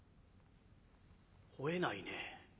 ほえないね。